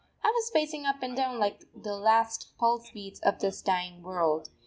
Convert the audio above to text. I was pacing up and down like the last pulse beats of this dying world.